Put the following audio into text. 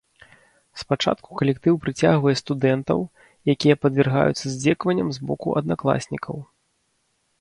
Спачатку калектыў прыцягвае студэнтаў, якія падвяргаюцца здзекаванням з боку аднакласнікаў.